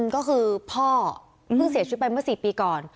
ก็คือพ่อเพิ่งเสียชีวิตไปเมื่อ๔ปีก่อน